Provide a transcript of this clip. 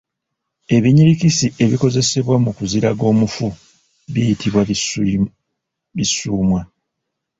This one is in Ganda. Ebinyirikisi ebikozesebwa mu kuziraga omufu biyitibwa Bisuumwa.